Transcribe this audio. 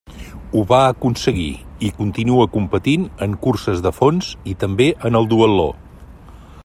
Ho va aconseguir, i continua competint en curses de fons i també en el duatló.